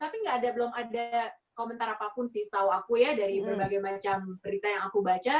tapi belum ada komentar apapun sih setahu aku ya dari berbagai macam berita yang aku baca